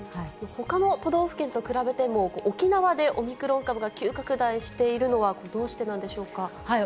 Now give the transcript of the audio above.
ほかの都道府県と比べても、沖縄でオミクロン株が急拡大しているのはどうしてなんでしょうか。